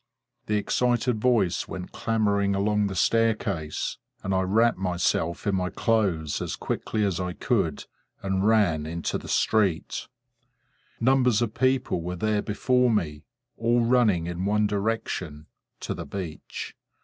The excited voice went clamoring along the staircase; and I wrapped myself in my clothes as quickly as I could, and ran into the street. Numbers of people were there before me, all running in one direction, to the beach.